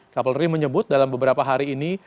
kapolri menyebut dalam beberapa hari ini